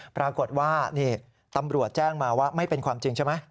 ปรากฏว่านี่ตำรวจแจ้งมาว่าไม่เป็นความจริงใช่ไหม